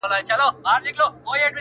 o غم ډک کور ته ورلوېږي!